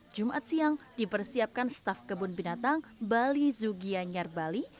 jumat siang dipersiapkan staf kebun binatang bali zugianyar bali